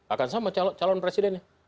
akan sama calon presidennya